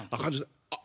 あっ。